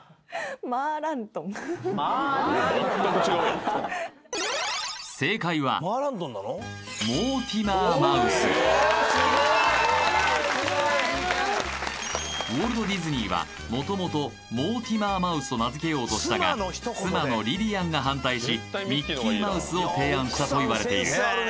マーラントンマーラントン正解はウォルト・ディズニーは元々モーティマー・マウスと名付けようとしたが妻のリリアンが反対しミッキーマウスを提案したといわれている